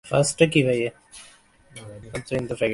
তিনি এ বিষয়ে প্রচুর পড়াশোনা করতেন।